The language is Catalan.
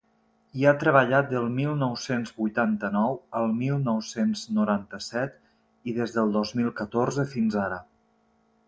Hi ha treballat del mil nou-cents vuitanta-nou al mil nou-cents noranta-set i des del dos mil catorze fins ara.